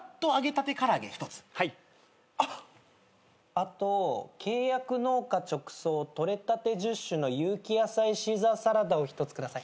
あと「契約農家直送取れたて１０種の有機野菜シーザーサラダ」を１つ下さい。